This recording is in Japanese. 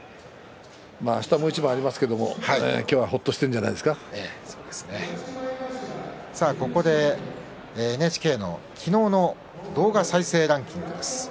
あしたもう一番ありますけれども今日は、ほっとここでＮＨＫの昨日の動画再生ランキングです。